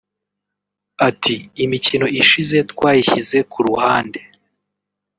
Ati ”Imikino ishize twayishyize ku ruhande